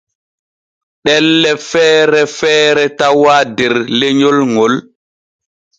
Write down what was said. Ɗelle feere feere tawaa der lenyol ŋol.